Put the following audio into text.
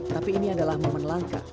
tapi ini adalah momen langka